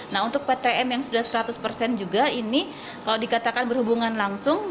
nah untuk ptm yang sudah seratus persen juga ini kalau dikatakan berhubungan langsung